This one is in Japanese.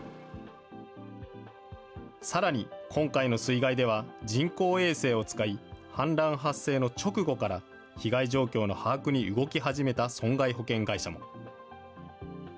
さらに、今回の水害では人工衛星を使い、氾濫発生の直後から、被害状況の把握に動き始めた損害保険会社も。